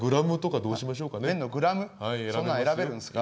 そんなん選べるんですか？